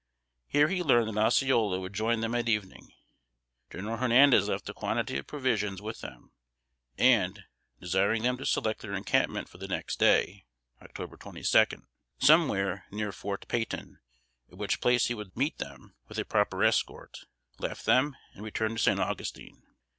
Here he learned that Osceola would join them at evening. General Hernandez left a quantity of provisions with them, and, desiring them to select their encampment for the next day (Oct. 22) somewhere near Fort Peyton, at which place he would meet them with a proper escort, left them, and returned to San Augustine.